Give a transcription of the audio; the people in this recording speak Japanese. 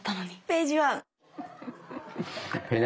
ページワン！